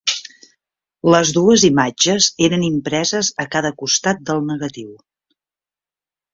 Les dues imatges eren impreses a cada costat del negatiu.